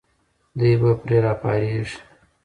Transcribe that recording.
دوی به پرې راپارېږي.